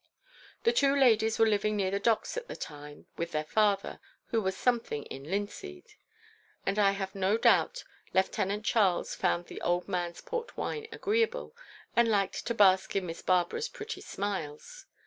The two ladies were living near the Docks at the time, with their father, who was something in linseed; and I have no doubt Lieutenant Charles found the old man's Port wine agreeable and liked to bask in Miss Barbara's pretty smiles.